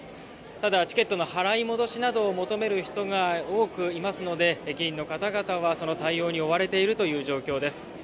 ただ、チケットの払い戻しなどを求める人が多くいますので、駅員の方々はその対応に追われているという状況です。